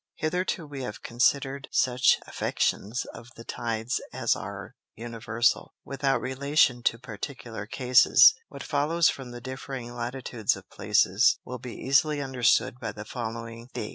Hitherto we have consider'd such Affections of the Tides as are Universal, without relation to particular Cases; what follows from the differing Latitudes of places, will be easily understood by the following Fig.